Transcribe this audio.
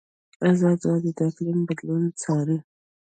ازادي راډیو د اقلیم بدلونونه څارلي.